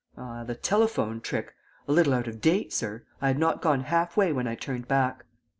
Ah, the telephone trick: a little out of date, sir! I had not gone half way when I turned back."